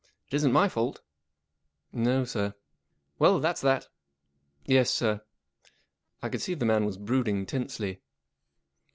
' It isn't my fault." " No, sir." " Well, that's that." " Yes, sir." I could see the man was brooding tensely.